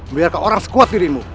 biarkan orang sekuat dirimu